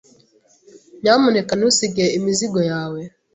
Nyamuneka ntusige imizigo yawe.